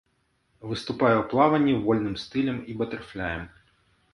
Выступае ў плаванні вольным стылем і батэрфляем.